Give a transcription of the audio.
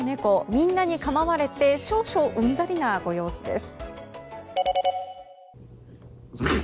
みんなに構われて少々うんざりなご様子です。